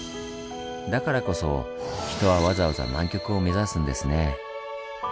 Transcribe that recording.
だからこそ人はわざわざ南極を目指すんですね。